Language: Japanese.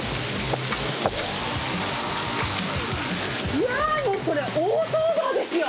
いやー、もうこれ、大騒動ですよ。